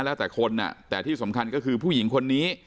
แล้วแต่คนแต่ที่สำคัญก็คือผู้หญิงคนนี้